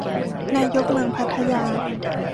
นายกเมืองพัทยา